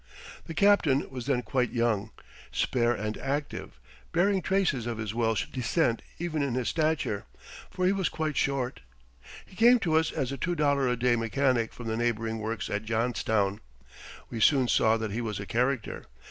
The Captain was then quite young, spare and active, bearing traces of his Welsh descent even in his stature, for he was quite short. He came to us as a two dollar a day mechanic from the neighboring works at Johnstown. We soon saw that he was a character.